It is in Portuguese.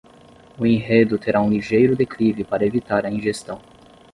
O enredo terá um ligeiro declive para evitar a ingestão.